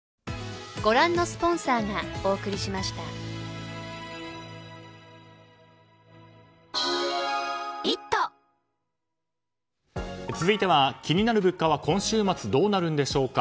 「クラフトボス」続いては、気になる物価は今週末どうなるんでしょうか。